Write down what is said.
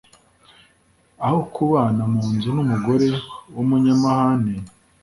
aho kubana mu nzu n'umugore w'umunyamahane